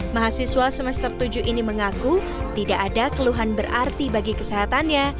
mahasiswa semester tujuh ini mengaku tidak ada keluhan berarti bagi kesehatannya